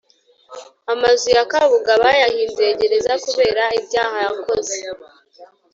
Amazu yakabuga bayahinduye gereza kubera ibyaha yakoze